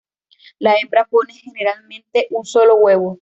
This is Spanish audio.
La hembra pone generalmente un solo huevo.